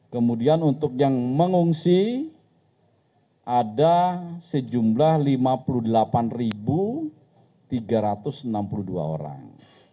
kemudian untuk yang mengungsi ada sejumlah lima puluh delapan tiga ratus enam puluh dua orang